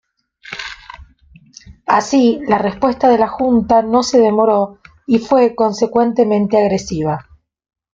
Así, la respuesta de la Junta no se demoró, y fue consecuentemente agresiva.